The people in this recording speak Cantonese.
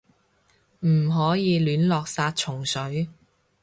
唔可以亂落殺蟲水